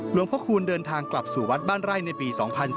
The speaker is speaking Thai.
พระคูณเดินทางกลับสู่วัดบ้านไร่ในปี๒๔